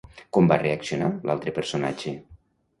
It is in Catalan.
Com va reaccionar l'altre personatge?